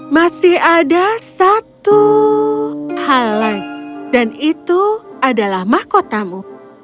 masih ada satu hal lain dan itu adalah mahkotamu